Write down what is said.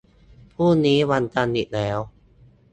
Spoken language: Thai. พรุ่งนี้วันจันทร์อีกแล้ว